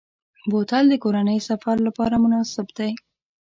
بوتل د کورنۍ سفر لپاره مناسب دی.